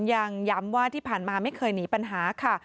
ยังย้ำว่าที่ผ่านมาไม่เคยหนีปัญหาค่ะ